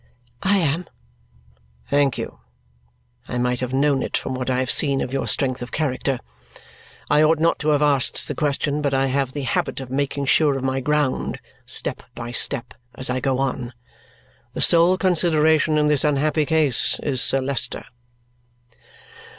"I am." "Thank you. I might have known it from what I have seen of your strength of character. I ought not to have asked the question, but I have the habit of making sure of my ground, step by step, as I go on. The sole consideration in this unhappy case is Sir Leicester."